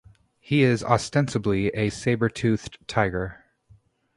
He is ostensibly a sabre-toothed tiger.